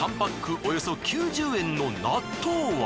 およそ９０円の納豆は。